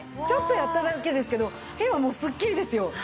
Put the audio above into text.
ちょっとやっただけですけど今もうスッキリですよ。